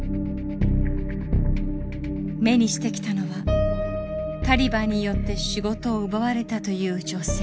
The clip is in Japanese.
目にしてきたのはタリバンによって仕事を奪われたという女性。